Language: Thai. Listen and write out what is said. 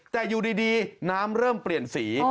แต่อยู่ดีน้ำเริ่มเปลี่ยนสี